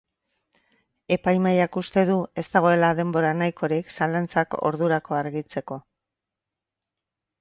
Epaimahaiak uste du ez dagoela denbora nahikorik zalantzak ordurako argitzeko.